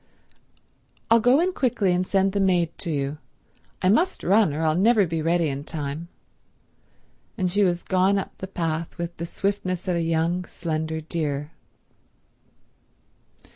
"I'll go on quickly and send the maid to you. I must run, or I'll never be ready in time—" And she was gone up the path with the swiftness of a young, slender deer.